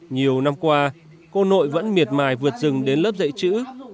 nhiều năm qua cô nội vẫn miệt mài vượt rừng đến lớp dạy chữ